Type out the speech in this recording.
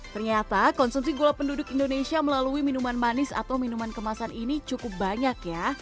ternyata konsumsi gula penduduk indonesia melalui minuman manis atau minuman kemasan ini cukup banyak ya